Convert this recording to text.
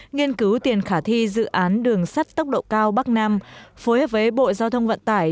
nghiên cứu tiền khả thi dự án đường sắt tốc độ cao bắc nam phối hợp với bộ giao thông vận tải